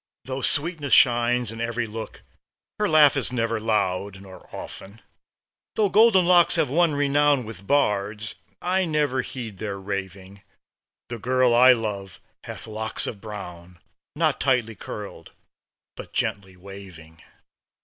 Though sweetness shines in every look, Her laugh is never loud, nor often. Though golden locks have won renown With bards, I never heed their raving; The girl I love hath locks of brown, Not tightly curled, but gently waving.